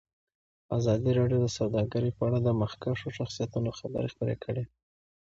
ازادي راډیو د سوداګري په اړه د مخکښو شخصیتونو خبرې خپرې کړي.